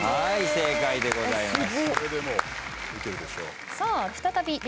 正解でございます。